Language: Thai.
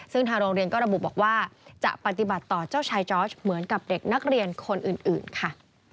ซึ่งทางโรงเรียนก็ระบุบอกว่าจะปฏิบัติต่อเจ้าชายจอร์ชเหมือนกับเด็กนักเรียนคนอื่นค่ะ